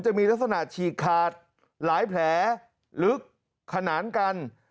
จะมีลักษณะฉีกขาดหลายแผลลึกขนานกัน